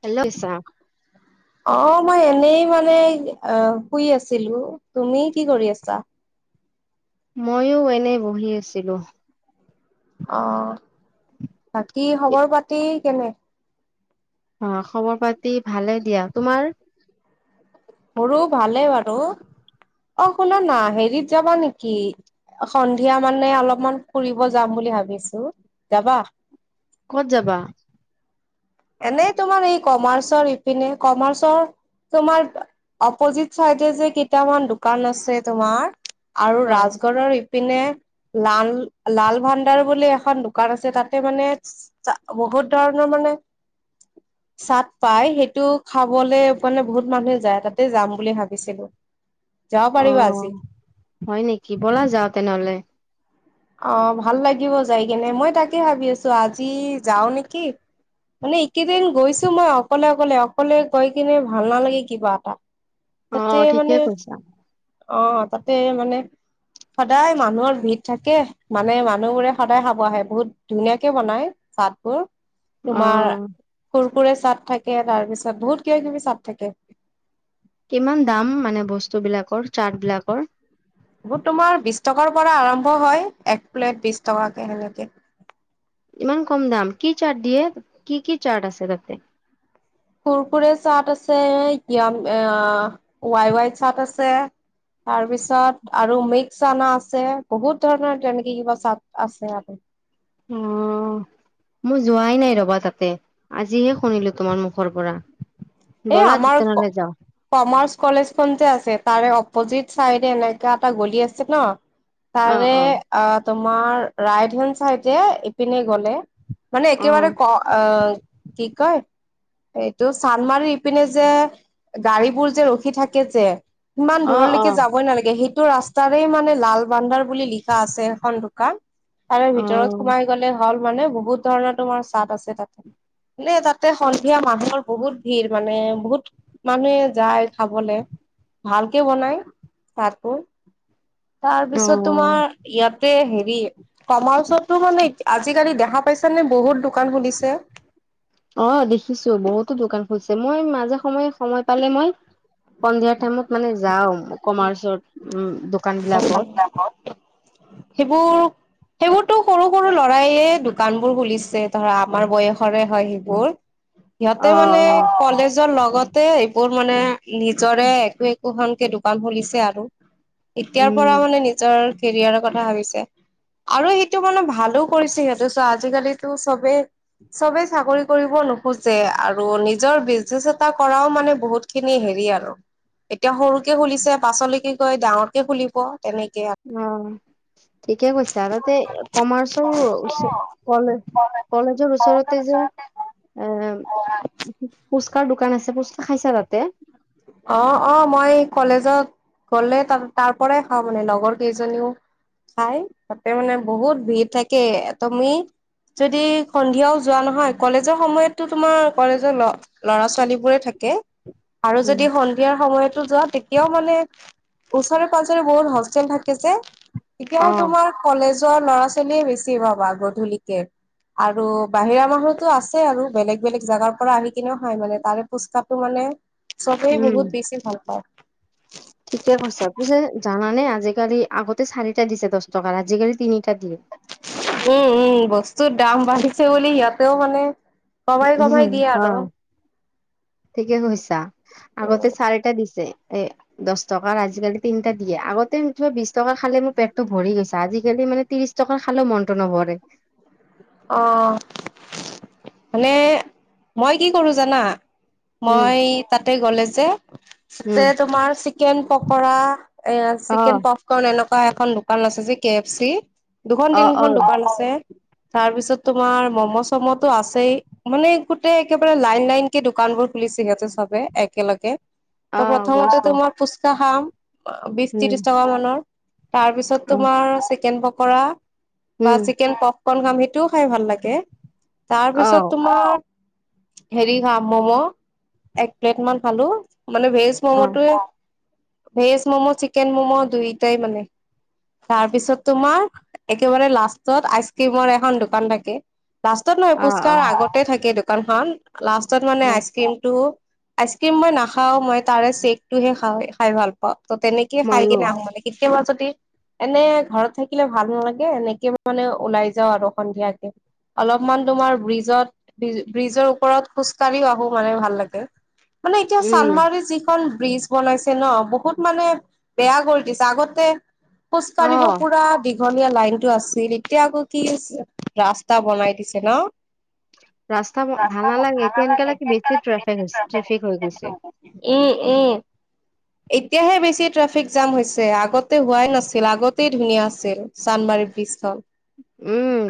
Hello [unintelligible] অ', মই এনেই মানে অ' শুই আছিলো। তুমি কি কৰি আছা? মইয়ো এনে বহি আছিলো। অ', বাকী খবৰ পাতি কেনে? অ', খবৰ পাতি ভালে দিয়া, তোমাৰ? মোৰো ভালেই বাৰু! অ' শুনা না হেৰিত যাবা নেকি? সন্ধিয়া মানে অলপমান ফুৰিব যাম বুলি ভাবিছো যাবা? ক'ত যাবা? এনেই তোমাৰ এই কমাৰ্চৰ ইপিনে কমাৰ্চৰ তোমাৰ অপজিত চাইডে যে কেইটামান দোকান আছে তোমাৰ। আৰু হয়। ৰাজগড়ৰ পিনে লাল-লাল ভাণ্ডাৰ বুলি এখন দোকান আছে তাতে মানে বহুত ধৰণৰ মানে চাট পাই সেইটো খাবলে মানে বহুত মানুহে যায়, তাতে যাম বুলি ভাবিছিলো। যাব পাৰিবা আজি? অ', হয় নেকি, ব'লা যাওঁ তেনেহ'লে। অ', ভাল লাগিব যায় কেনে। মই তাকে ভাবি আছো আজি যাওঁ নেকি। মানে এইকেইদিন গৈছো মই অকলে অকলে, অকলে গৈ কিনে ভাল নালাগে কিবা এটা। অ তাতে ঠিকে মানে কৈছা অ', তাতে মানে সদায় মানুহৰ ভিৰ থাক কে মানে মানুহবোৰে সদায় খাব আহে বহুত ধুনীয়াকে বনাই চাতবোৰ। অ তোমাৰ কুৰকুৰে চাট থাকে তাৰ পিছত বহুত কিব কিবি চাট থাকে। কিমান দাম মানে বস্তু বিলাকৰ চাৰ্টবিলাকৰ? এইবোৰ তোমাৰ বিশ টকাৰ পৰা আৰম্ভ হয় এক প্লেট বিশ টকাকে হেনেকে। ইমান কম দাম কি চাৰ্ট দিয়ে কি কি চাৰ্ট আছে তাতে? কুৰকুৰে চাট আছে ইয়াম আ ৱাই ৱাই চাট আছে। তাৰ পিছত আৰু মিক্স চানা আছে বহুত ধৰণৰ তেনেকে কিবা চাট আছে আৰু। উম। মই যোৱাই নাই ৰ'বা তাতে। আজিহে শুনিলো তোমাৰ মুখৰ পৰা। এই ব'লা আমাৰ তেনেহলে যাওঁ কমাৰ্চ কলেজখন যে আছে তাৰে অপজিত চাইডে এনেকা এটা গলি আছে ন। তাৰে অ' তোমাৰ ৰাইট হেন্ড চাইডে ইপিনে গ'লে মানে অ একেবাৰে ক অ' কি কয় এইটো চান্দমাৰি পিনে যে গাড়ীবোৰ যে ৰখি থাকে যে ইমান অ দূৰলৈকে যাবই নালাগে সেই টো ৰাস্তাৰে মানে লাল ভান্দাৰ বুলি লিখা আছে এখন দোকান। তাৰে অ ভিতৰত সোমাই গ'লে হল মানে বহুত ধৰণৰ তোমাৰ চাদ আছে তাত তাতে সন্ধিয়া মানুহৰ বহুত ভিৰ মানে বহুত মানুহে যায় খাবলে ভালকে বনাই ছাদ বোৰ অ তাৰপিছত অ তোমাৰ ইয়াতে হেৰি কমাৰ্চতো মানে আজিকালি দেখা পাইছ নে বহুত দোকান খুলিছে অ দেখিছো বহুতো দোকান খুলিছে মই মাজে সময়ে সময় পালে মই সন্ধিয়া টাইমত মানে যাওঁ কমাৰ্চত উ [inaudible] সেইবোৰ সেইবোৰতো সৰু সৰু ল'ৰায়ে দোকান বোৰ খুলিছে ধৰা আমাৰ বয়সৰে হয় সেইবোৰ [unintelligible] সিহঁতে মানে কলেজৰ লগতে এইবোৰ মানে নিজৰে একো একোখনকে দোকান খুলিছে আৰু এতিয়াৰ পৰা উম মানে নিজৰ কেৰিয়াৰৰ কথা ভাবিছে আৰু সেইটো মানে ভালো কৰিছে সিহঁতে চোৱা আজিকালিটো চবেই চবে চাকৰি কৰিব নোখোজে আৰু নিজৰ বিজনেচ এটা কৰাও মানে বহুত খিনি হেৰি আৰু এতিয়া সৰুকে খুলিছে পাচলেকে গৈ ডাঙৰকে খুলিব তেনেকে। উম ঠিকে কৈছে। বিচাৰতে কমাৰ্চৰ ওচৰ কলেজ কলেজৰ ওচৰতে যে। এ পুচকাৰ দোকান আছে পুচকা খাইছা তাতে। অ অ মই কলেজত। গ'লে তা তাৰ পৰাই খাওঁ মানে লগৰ কেইজনীও। খাই তাতে মানে বহুত ভিৰ থাকে তুমি। যদি সন্ধিয়াও যোৱা নহয় কলেজৰ সময়তো তোমাৰ কলেজৰ লগ। ল'ৰা ছোৱালী বোৰে থাকে আৰু উম যদি সন্ধিয়াৰ সময়তো যোৱা তেতিয়াও মানে। ওচৰে পাজৰে বহুত হোষ্টেল থাকে যে অ এতিয়াও তোমাৰ কলেজৰ ল'ৰা ছোৱালীয়ে বেছি পাবা গধূলিকে আৰু বাহিৰা মানুহতো আছে আৰু বেলেগ বেলেগ জেগাৰ পৰা আহি কিনেও খাই মানে তাৰে পোচকাটো মানে চবেই উম বহুত বেছি ভাল পায় ঠিকে কৈছা পিছে জানানে আজিকালি আগতে চাৰিটা দিছে দহ টকাৰ আজিকালি তিনিটা দিয়ে উম উম বস্তুৰ দাম বাঢ়িছে বুলি সিহঁতেও মানে কমাই উম কমাই দিয়ে আৰু হয় ঠিকে কৈছা আগতে চাৰিটা দিছে এ দহ টকাৰ আজিকালি তিনিটা দিয়ে আগতো বিশ টকা খালে মোৰ পেটটো ভৰি গৈছে আজিকালি মানে ত্ৰিশ ত্ৰিশ টকা খালেও মনটো নভৰে। অ মানে মই কি কৰো জানা। উম মই তাতে গ'লে যে। তাতে উম তোমাৰ চিকেন পকৰা এ অ চিকেন পপ। এখন এনেকুৱা এখন দোকান আছে যে কে এফ চি দুখন অ অ তিনিখন দোকান আছে। তাৰ পিছত তোমাৰ ম'ম' চ'ম'তো আছেই। মানে গোটেই একেবাৰে লাইন লাইন কে দোকান বোৰ খুলিছে সিহঁতে চবে একেলগে। ত' অ প্ৰথমতে গৈছো তো মই ফুচকা খাম বিশ ত্ৰিশ উম টকা মানৰ তাৰপিছত। তাৰ পিছত অ তোমাৰ চিকেন পকৰা বা উম চিকেন পপকন খাম সেইটোও খাই ভাল লাগে। অ তাৰপিছত তোমাৰ। হেৰি খাম ম'ম' এক প্লেট মান খালো মানে ভেজ। অ ম'ম'টোৱে ভেজ ম'ম' চিকেন ম'ম' দুইটাই মানে। তাৰ পিছত তোমাৰ একেবাৰে লাষ্টত আইচ। ক্ৰীমৰ এখন দোকান থাকে লাষ্টত নহয় অ অ পুচকাৰ আগতে থাকে দোকানখন। লাষ্টত অ মানে আইচক্ৰীমটো। আইচক্ৰীম মই নাখাওঁ মই তাৰে চেকটোহে খাওঁ খাই ভাল পাওঁ ত' তেনেকে খাই ময়ো কিনে আহো মানে। কেতিয়াবা যদি এনে ঘৰত থাকিলে ভাল নালাগে এনেকে মানে ওলায় যা যাওঁ আৰু সন্ধিয়াকে, অলপমান তোমাৰ ব্ৰিজত। ব্ৰিজৰ ওপৰত খোজ কাঢ়িও আহো মানে ভাল লাগে মানে এতিয়া উম চানমাৰি যি যিখন ব্ৰিজ বনাইছে ন বহুত মানে বেয়া কৰি দিছে আগতে খোজ অ কাঢ়িব পোৰা দীঘলীয়া লাইনটো আছিল এতিয়া আকৌ কি ৰাস্তা বনাই দিছে ন। ৰাস্তা ভাল এতিয়া এনেকা নালাগে লাগে বেছি এতিয়া ট্ৰেফিক হৈছে ট্ৰেফিক হৈ গৈছে [unintelligible] উম উম। এতিয়াহে বেছি ট্ৰেফিক জাম হৈছে আগতে হোৱাই নাছিল আগতেই ধুনীয়া আছিল। চানমাৰি ব্ৰিজখন। উম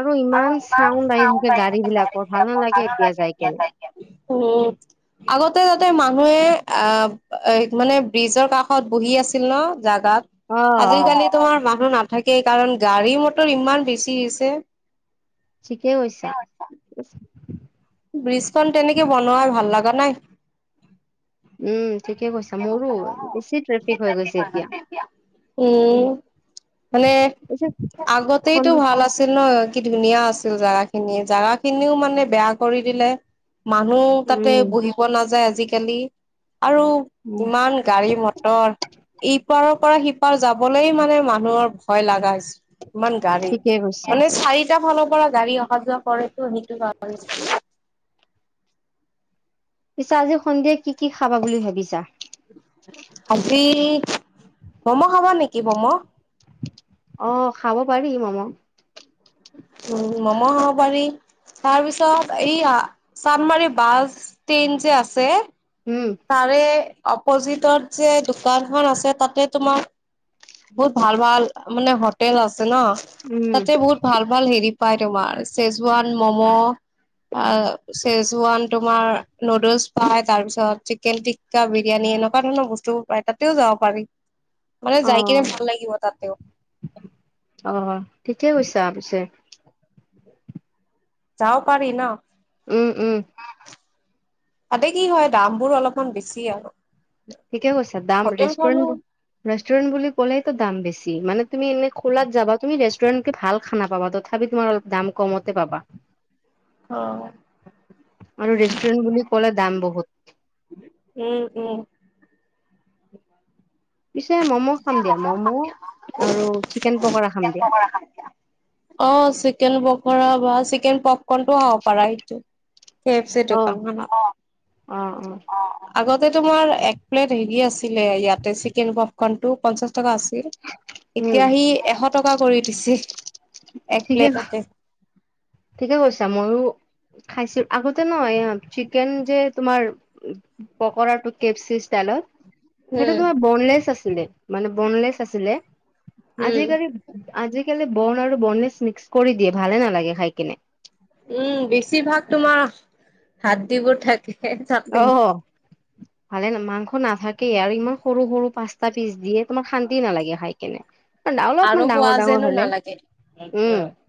আৰু ইমান চাউণ্ড আহি থাকে গাড়ী বিলাকৰ ভাল নালাগে এতিয়া যাই কেনে। উম। আগতে যাতে মানুহে অ এ মানে ব্ৰিজৰ কাষত বহি আছিল ন জাগাত। অ অ আজিকালি তোমাৰ মানুহ নাথাকেই কাৰণ গাড়ী মটৰ ইমান বেছি হৈছে। ঠিকেই কৈছা। ব্ৰিজখন তেনেকে বনোৱাৰ ভাল লগা নাই। উম ঠিকে কৈছা মোৰো বেছি ট্ৰেফিক হৈ গৈছে এতিয়া। উম মানে পিছে খন আগতেইতো ভাল আছি। আছিল নহ কি ধুনীয়া আছিল জাগাখিনি জাগাখিনিও মানে বেয়া কৰি দিলে। মানুহ তাতে উম বহিব নাযায় আজিকালি আৰু উম ইমান গাড়ী মট টৰ ইপাৰৰ পৰা সিপাৰ যাবলৈ মানে মা মোৰ ভয় লগা হৈছে ইমান গাড়ী, ঠিকে কৈছা মানে চাৰি চাৰিটা ফালৰ পৰা গাড়ী অহা যোৱা কৰেতো সেইটো কাৰনে ছাগে। পিছে আজি সন্ধিয়া কি কি খাবা বুলি ভাবিছা? আজি ম'ম' খাবা নেকি ম'ম'? অ খাব পাৰি ম'ম। উম ম'ম' খাব পাৰি। তাৰ পিছত এই চানমাৰি বাছ ষ্টেণ্ড যে আছে। উম। তাৰে অপজিতত যে দোকানখন আছে তাতে তোমাক। বহুত ভাল ভাল মানে হোটেল আছে ন, উম তাতে বহুত ভাল ভাল হেৰি পায় তোমাৰ, চেজুৱান ম'ম'। আ চেজুৱান, তোমাৰ নুডলছ পাই, তাৰপিছত চিকেন টিক্কা, বিৰিয়ানী, এনেকুৱা ধৰণৰ বস্তু পায় তাতেও যাব পাৰি। মানে অ যাই কিনে ভাল লাগিব তাতেও। অ'কেতিয়া গৈছা পিছে। যাব পাৰি ন। উম উম তাতে কি হয় দাম বোৰো অলপমান বেছি আৰু। ঠিকে কৈছা দাম হোটেল খনো ৰেষ্টৰেট ৰেষ্টৰেণ্ট বুলি কলেইতো দাম বেছি মান তুমি এনে খোলাত যাবা তুমি ৰেষ্টুৰেণ্ট কে ভাল খানা পাবা তথাপি তোমাৰ অলপ দাম কমতে পাবা। অ আৰু ৰেষ্টষ্টুৰণ্ট বুলি ক'লে দাম বহুত। উম! উম! পিছে ম'ম' খাম দিয়া ম'ম' আৰু চিকেন পকৰা। খাম দিয়া। অ' চিকেন পকৰা বা চিকেন কোনটো হব পাৰা এইটো, কে এফ ছি অ দোকান খনত। অ অ আগতে তোমাৰ এক প্লেট হেৰি আছিলে ইয়াতে চিকেন পফকন টো পঞ্চাশ টকা আছিল। [unintelligible] এতিয়া সি এশ টকা কৰি দিছে এক ঠিকে প্লেটতে। ঠিকে কৈছা মইয়ো খাইছিলো, আগতে নহ চিকেন যে তোমাৰ পকৰা টো কে এফ ছি ষ্টাইলত। সেইটো উম তোমাৰ বনলেছ আছিলে মানে বনলেছ আছিলে। উম আজিকালি আজিকালি ব'ন আৰু ব'নলেছ মিক্স কৰি দিয়ে, ভালে নালাগে খাই কিনে। উম বেছিভাগ তোমাৰ হাড়দিবোৰ থাকে। তাতে অ' ভালে ন মাংস নাথাকেই আৰু ইমান সৰু সৰু পা চতা পিচ দিয়ে তোমাক শান্তি নালাগে খাই কিনে। আৰু অলপমান খোৱা ডাঙৰ ডাঙৰ যেনো হ'লে নালাগে উম [unintelligible]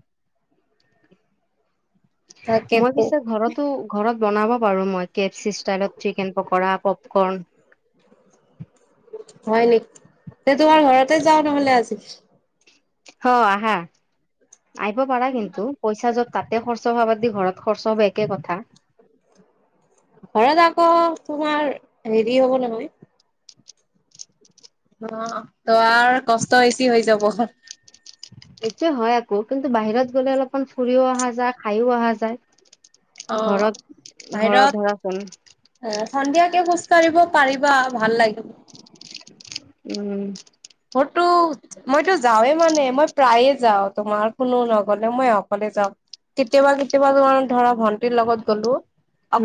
মই তাকেতো পিছে ঘৰতো ঘৰত বনাব পাৰো মই কে এফ ছি ষ্টাইলত চিকেন পকোৰা, পপকৰ্ণ হয় নেকি? ত' তোমাৰ ঘৰতে যাওঁ নহ'লে আজি? অ' আহা, আহিব পাৰা কিন্তু পইচা যত তাতে খৰচা হোৱা বাদ দি ঘৰত খৰচা হব একে কথা। ঘৰত আকৌ তোমাৰ হেৰি হ'ব নহয় অ ত আৰু কষ্ট বেছি হৈ যাব। এইটোয়ে হয় আকৌ, কিন্তু বাহিৰত গ'লে অলপমান ফুৰিও অহা যায় খাইও অহা যায় ঘৰত ঘৰত ধৰাচোন অ সন্ধিয় কে খোজ কঢ়িব পাৰিবা ভাল লাগিব। উম ঘৰতটো মইতো যাওঁৱে মানে মই প্ৰায়ে যাওঁ তোমাৰ কোনো নগলে মই অকলে যাওঁ। কেতিয়াবা কেতিয়াবা তোমাৰ ধৰা ভন্টিৰ লগত গ'লো,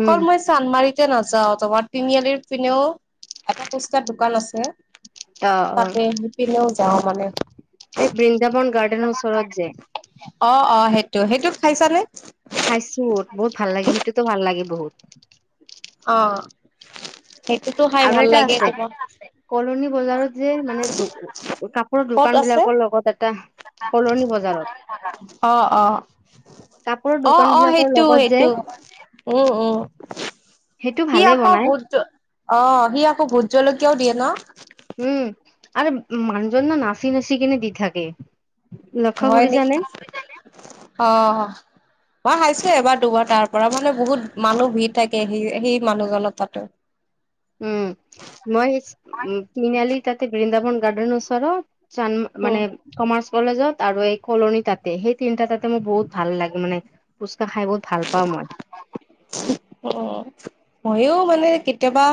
উম মই চানমাৰিতে নাযাওঁ তোমাৰ তিনিআলিৰ পিনেও এটা ফুচকা দোকান আছে। অ, অ তাতে সিপিনেও যাওঁ মানে। এই বৃন্দাবন গাৰ্ডেনৰ ওচৰত যে অ, অ সেইটো সেইটোত খাইছা নে? খাইছো বহুত ভাল লাগে সেইটোতো ভাল লাগে বহুত। অ' সেইটোতো খাই আৰু ভাল এটা লাগে আছে তোমাৰ কলনী বজাৰত যে মানে কাপোৰৰ ক'ত দোকান আছে বিলাকৰ লগত এটা কলনী বজাৰত অ অ কাপোৰৰ অ দোকান অ বিলাকৰ সেইটো লগত যে সেইটো উম উম সেইটো সি ভালে আকৌ বনাই ভোত অ সি আকৌ ভোত জলকীয়াও দিয়ে ন। উম আৰু মানুজন নাচি নাচি কেনে দি থাকে। লক্ষ্য হয় কৰিছানে নেকি? অহ মই খাইছো এবাৰ দুবাৰ তাৰ পৰা মানে বহুত মানুহ ভিৰ থাকে সি সেই মানুহজনৰ তাতো। উম্, মই তিনিআলি তাতে বৃন্দাবন গাৰ্ডেনৰ ওচৰত চান মানে উম কমাৰ্চ কলেজত আৰু এই কলনী তাতেই, সেই তিনিটা তাতে মোৰ বহুত ভাল লাগে মানে ফুচকা খাই বহুত ভাল পাওঁ মই। অ ময়ো মানে কেতিয়াবা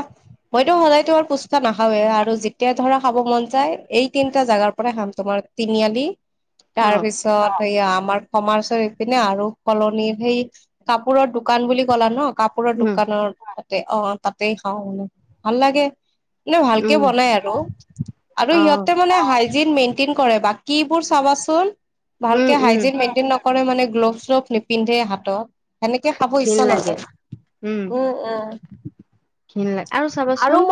মইতো সদায় তোমাৰ ফুচকা নাখাওঁৱে আৰু যেতিয়া ধৰা খাব মন যায়, এই তিনটা জাগাৰ পৰাই খাম তোমাৰ তিনিআলি অ তাৰ পিছত সেইয়া আমাৰ কমাৰ্চৰ সেইপিনে আৰু কলনিৰ সেই কাপোৰৰ দোকা দোকান বুলি কলা ন কাপোৰৰ উম দোকানৰ তাতে অ তাতে খাওঁ মানে, ভাল লাগে মানে ভালকে উম বনাই আৰু। আৰু অ সিহঁতে মানে হাইজিন মেইন মেইনটেইন কৰে। বাকীবোৰ চাবাচোন উম ভালকে উম হাইজিন মেইনটেইন নক নকৰে মানে, গ্লভ-শ্লভ নিপিন্ধে হাতত। তেতিয়া খাব ঘিণ ইচ্ছা লাগে নাযায়। উম উম। ঘিন লাগে। আৰু চাবাচোন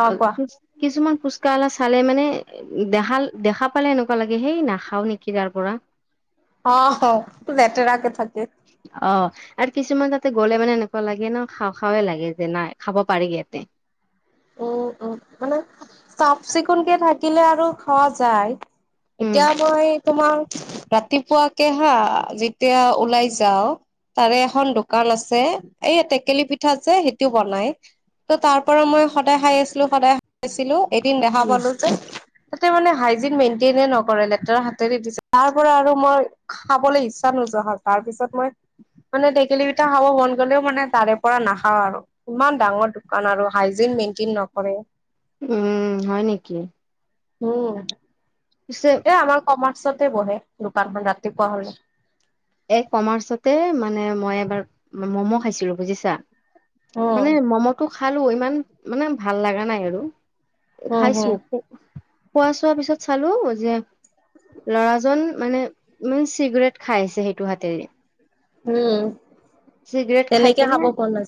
অ কোৱা কিছুমান ফুচকাআলা চালে মানে দেহাল দেখা পালে এনেকুৱা লাগে, সেই নাখাওঁ নেকি তাৰ পৰা। অহ লেতেৰাকে থাকে। অ। আৰু কিছুমান তাতে গ'লে মানে এনেকুৱা লাগে ন, খাওঁ খাওঁ লাগে যে নাই খাব পাৰি ইয়াতে। উম উম মানে চাফ-চিকুণকে থাকিলে আৰু খোৱা যায়। উম এতিয়া মই তোমাৰ ৰাতিপুৱাকে হা, যেতিয়া ওলাই যাওঁ তাৰে এখন দোকান আছে। এই টেকেলি পিঠা যে সেইটোও বনায়। তো তাৰ পৰা মই সদায় খাই আছিলোঁ, সদায় খাইছিলো এদিন দেখা উম পালোঁ যে, তাতে মানে হাইজিন মেইনটেইনে নকৰে লেতেৰা হাতেৰে দিছে তাৰ পৰা আৰু মোৰ খাবলৈ ইচ্ছা নোযোৱা হ'ল। তাৰপিছত মই মানে টেকেলী পিঠা খাব মন গ'লেও মানে তাৰে পৰা নাখাওঁ আৰু। ইমান ডাঙৰ দোকান আৰু হাই জিন মেইনটেইন নকৰে। উম হয় নেকি? উম। পিছে এ আমাৰ কমাৰ্চতে বহে দোকানখন ৰাতিপুৱা হ'লে। এই কমাৰ্চতে মানে মই এবাৰ ম'ম' খাইছিলো বুজিছা। উম মানে মমটো খালোঁ, ইমান মানে ভাল লগা নাই আৰু। এ উম হম খাইছোঁ খোৱা চোৱা পিছত চালো যে ল'ৰাজন মানে মানে চিগাৰেট খাইছে সেইটো হাতেৰে উম চিগাৰেট খাই তেনেকে খাব কেনে মন নাযায়